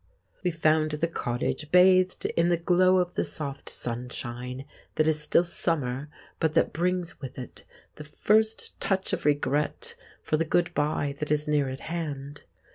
We found the cottage bathed in the glow of the soft sunshine that is still summer, but that brings with it the first touch of regret for the good bye that is near at hand.